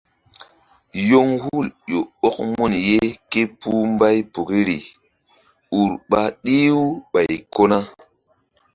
Yoŋhul ƴo ɔk mun ké puhbaypukiri ur ɓa ɗih-u ɓay ko na.